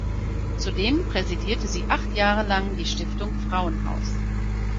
Zudem präsidierte sie acht Jahre lang die Stiftung Frauenhaus.